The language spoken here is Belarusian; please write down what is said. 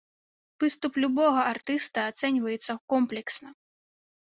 Выступ любога артыста ацэньваецца комплексна.